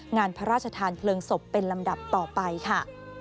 งานพระราชทานเพลิงศพเป็นลำดับต่อไปค่ะ